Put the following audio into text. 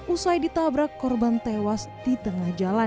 usai ditabrak korban tewas di tengah jalan